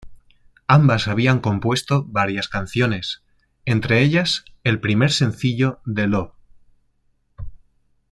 Ambas habían compuesto varias canciones, entre ellas el primer sencillo de "Love.